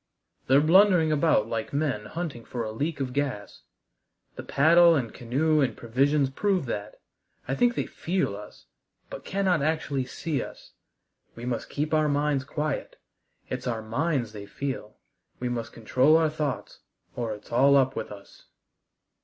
"They're blundering about like men hunting for a leak of gas. The paddle and canoe and provisions prove that. I think they feel us, but cannot actually see us. We must keep our minds quiet it's our minds they feel. We must control our thoughts, or it's all up with us."